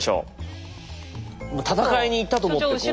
もう戦いに行ったと思ってこう。